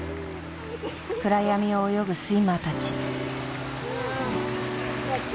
暗闇を泳ぐスイマーたち。